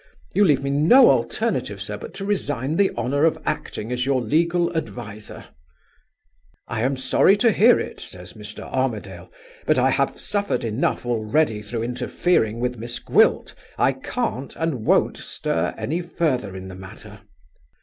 You leave me no alternative, sir, but to resign the honor of acting as your legal adviser.' 'I am sorry to hear it,' says Mr. Armadale, 'but I have suffered enough already through interfering with Miss Gwilt. I can't and won't stir any further in the matter.